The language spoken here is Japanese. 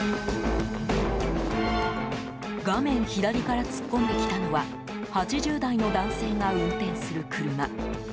画面左から突っ込んできたのは８０代の男性が運転する車。